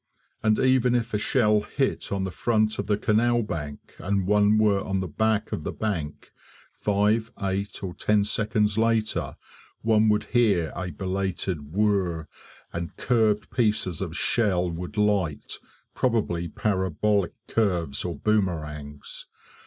And even if a shell hit on the front of the canal bank, and one were on the back of the bank, five, eight, or ten seconds later one would hear a belated WHIRR, and curved pieces of shell would light probably parabolic curves or boomerangs.